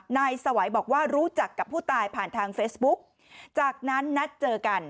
นายสวัยบอกว่ารู้จักกับผู้ตายผ่านทางเฟซบุ๊กจากนั้นนัดเจอกัน